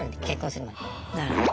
なるほど。